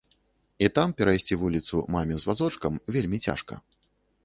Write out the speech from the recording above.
І там перайсці вуліцу маме з вазочкам вельмі цяжка.